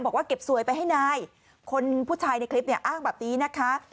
บอกว่าเก็บสวยไปให้นายคนผู้ชายในคลิปเนี่ยอ้างแบบนี้นะคะ